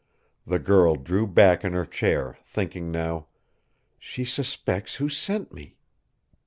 The girl drew back in her chair, thinking now: "She suspects who sent me!"